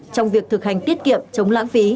trong việc thực hành tiết kiệm chống lãng phí